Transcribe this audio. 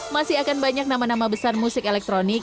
masih akan banyak nama nama besar musik elektronik